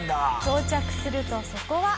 到着するとそこは。